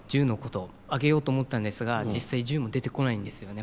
挙げようと思ったんですが実際１０も出てこないんですよね